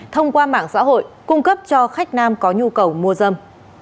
thông qua mạng xã hội cung cấp cho khách nam có nhu cầu mua dâm